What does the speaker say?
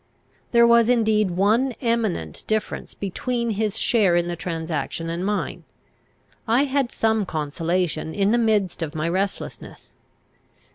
There was indeed one eminent difference between his share in the transaction and mine. I had some consolation in the midst of my restlessness.